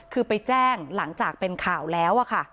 คือไปแจ้งหลังจากเป็นข่าวแล้วค่ะ